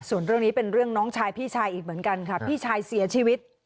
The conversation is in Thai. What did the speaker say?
ส่วนเรื่องนี้เป็นเรื่องน้องชายพี่ชายอีกเหมือนกันค่ะพี่ชายเสียชีวิต